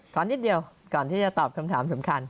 นิดเดียวก่อนที่จะตอบคำถามสำคัญ